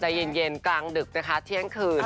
ใจเย็นกลางดึกนะคะเที่ยงคืน